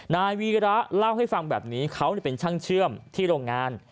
นายวีระเล่าให้ฟังแบบนี้เขาเป็นช่างเชื่อมที่โรงงาน